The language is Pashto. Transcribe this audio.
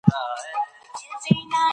لمونځ وکړئ، چي حلاوت او خوږوالی ئې وڅکئ